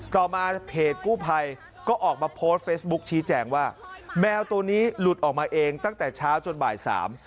ต่อมาเพจกู้ภัยก็ออกมาโพสต์เฟซบุ๊คชี้แจงว่าแมวตัวนี้หลุดออกมาเองตั้งแต่เช้าจนบ่ายสาม